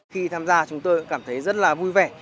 khi tham gia chúng tôi cảm thấy rất là vui vẻ